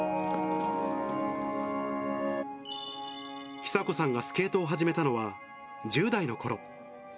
ひさこさんがスケートを始めたのは１０代のころ。